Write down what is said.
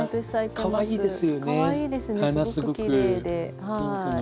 かわいいですねすごくきれいで。